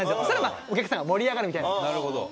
そしたらまあお客さんが盛り上がるみたいな。